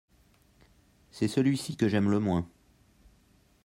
C’est celui-ci que j’aime le moins.